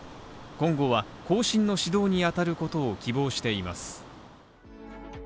今後は後進の指導にあたることを希望しています。